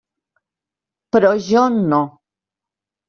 Però jo no.